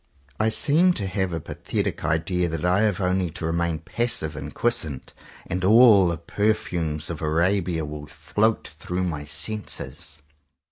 I seem to have a pathetic idea that I have only to remain passive and quiescent, and all the perfumes of Arabia will float through my senses.